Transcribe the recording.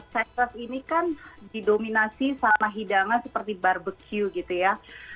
saizat ini kan didominasi sama hidangan seperti barbecue gitu ya